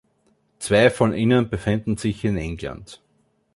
Zwei von ihnen befinden sich in England.